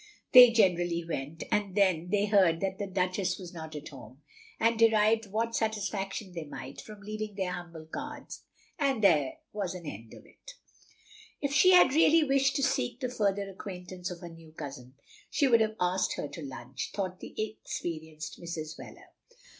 They generally went, and then they heard that the Duchess was not at home, and derived what satisfaction they might from leaving their humble cards, and there was an end of it. If she had really wished to seek the further ac qtiaintance of her new cousin she would have asked OP GROSVENOR SQUARE 103 her to lunch, thought the experienced Mrs. Wheler.